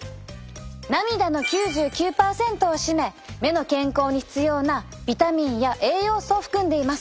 涙の９９％を占め目の健康に必要なビタミンや栄養素を含んでいます。